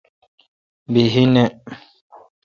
بیہی نہ۔